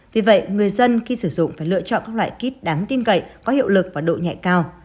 vì vậy người dân khi sử dụng phải lựa chọn các loại kit đáng tin cậy có hiệu lực và độ nhẹ cao